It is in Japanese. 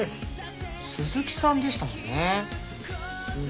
鈴木さんでしたもんね。